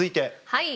はい。